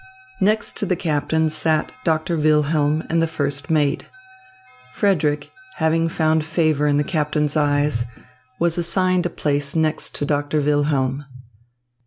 Next to the captain sat Doctor Wilhelm and the first mate. Frederick, having found favour in the captain's eyes, was assigned a place next to Doctor Wilhelm.